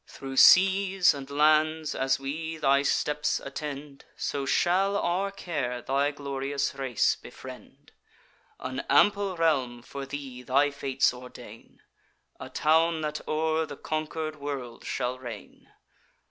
Thro' seas and lands as we thy steps attend, So shall our care thy glorious race befriend. An ample realm for thee thy fates ordain, A town that o'er the conquer'd world shall reign.